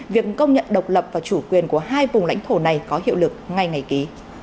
việc công nhận độc lập và chủ quyền của hai vùng lãnh thổ này có hiệu lực ngay ngày ký